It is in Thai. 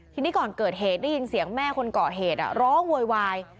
ทีนี้ก่อนเกิดเหตุได้ยินเสียงแม่คนเกาะเหตุร้องโวยวาย